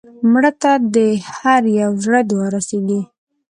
مړه ته د هر یو زړه دعا رسېږي